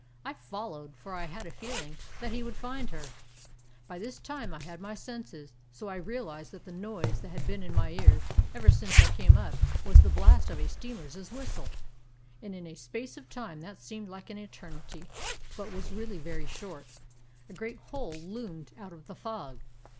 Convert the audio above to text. I followed, for I had a feeling that he would find her. By this time I had my senses, so I realized that the noise that had been in my ears ever since I came up was the blast of a steamer's whistle; and in a space of time that seemed like an eternity, but was really very short, a great hull loomed out of the fog.